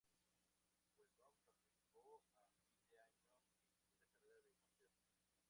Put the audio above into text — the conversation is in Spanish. Wheldon participó a fin de año de la Carrera de Campeones.